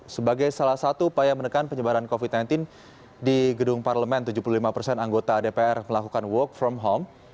sebagai salah satu upaya menekan penyebaran covid sembilan belas di gedung parlemen tujuh puluh lima persen anggota dpr melakukan work from home